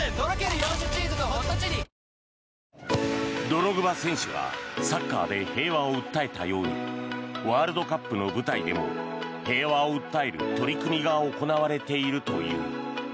ドログバ選手がサッカーで平和を訴えたようにワールドカップの舞台でも平和を訴える取り組みが行われているという。